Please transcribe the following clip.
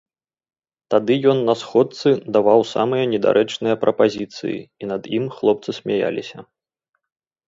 Тады ён на сходцы даваў самыя недарэчныя прапазіцыі і над ім хлопцы смяяліся.